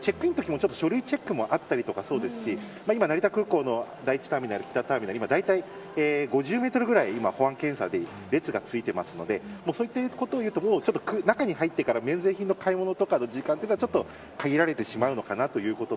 書類チェックもあったりしますし成田空港の第１ターミナルは５０メートルぐらい保安検査列が続いているのでそういったことをいうと、中に入ってから免税品の買い物とかの時間というのはちょっと限られてしまうのかなということ。